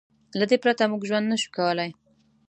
له دې پرته موږ ژوند نه شو کولی.